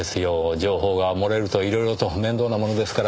情報が漏れると色々と面倒なものですから。